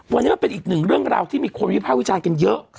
วันนี้มันเป็นอีกหนึ่งเรื่องราวที่มีคนวิภาควิจารณ์กันเยอะ